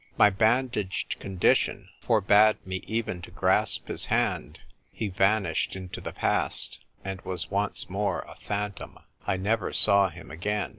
My bandaged condition forbade me even to grasp his hapd ; he vanished into the past, and was once more a phantom. I never saw him again.